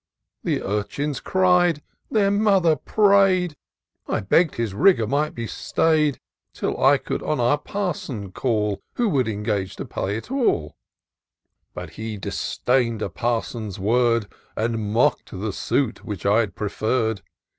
The urchins cried, the mother pray'd ; I begg'd his rigour might be stay'd, Till I could on our Parson call. Who would engage to pay it all ; But he disdain'd a parson's word. And mock'd the suit which I preferred.